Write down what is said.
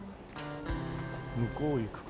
向こう行くか。